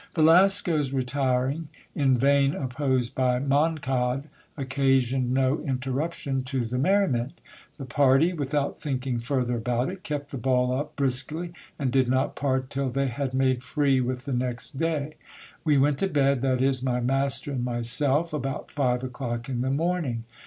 Velasco's retiring, in vain opposed by Moncade, occasioned no interruption to the merriment. The party, without thinking further about it, kept the ball up briskly, and did not part till they had made free with the next day. We went to bed, that is, my master and myself, about five o'clock in the morning.